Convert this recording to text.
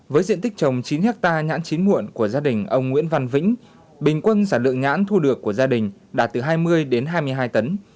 với diện tích trồng chín hectare nhãn chín muộn của gia đình ông nguyễn văn vĩnh bình quân sản lượng nhãn thu được của gia đình đạt từ hai mươi đến hai mươi hai tấn